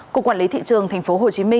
cục quản lý thị trường tp hcm